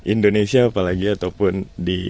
indonesia apalagi ataupun di